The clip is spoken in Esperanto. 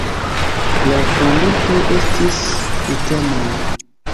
La fondintoj estis rutenoj.